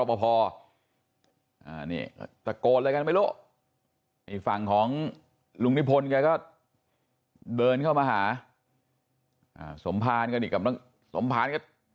ผมผ่านกันขึ้นทัศน์ขึ้นทัศน์